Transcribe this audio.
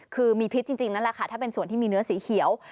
คือมีพิษจริงนั่นแหละค่ะถ้าเป็นส่วนที่มีเนื้อสีเขียว